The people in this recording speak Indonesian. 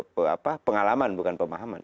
pe apa pengalaman bukan pemahaman